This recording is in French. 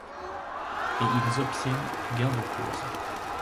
Et ils obtiennent gain de cause.